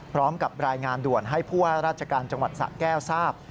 พร้อมกับรายงานด่วนให้ผู้ว่าราชการจังหวัดสะแก้วทราบ